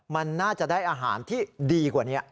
มันน่าจะได้อาหารที่ดีกว่านี้